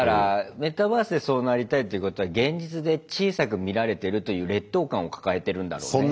メタバースでそうなりたいということは現実で小さく見られてるという劣等感を抱えてるんだろうね。